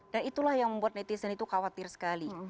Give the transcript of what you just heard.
dan itulah yang membuat netizen itu khawatir sekali